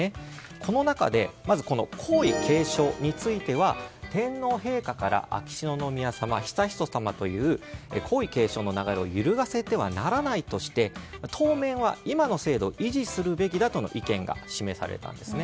この中でまず皇位継承については天皇陛下から秋篠宮さま、悠仁さまという皇位継承の流れを揺るがせてはならないとして当面は今の制度を維持するべきだとの意見が示されたんですね。